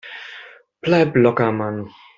Bleib locker, Mann!